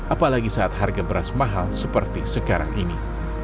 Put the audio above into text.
apalagi saat harga beras mahal seperti sekarang ini